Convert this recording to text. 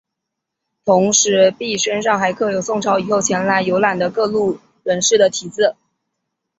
同时碑身上还刻有宋朝以后前来游览的各路人士的题字。